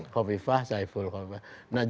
hovifah saiful hovifah